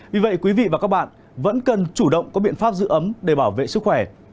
vì vậy quý vị và các bạn vẫn cần chủ động có biện pháp giữ ấm để bảo vệ sức khỏe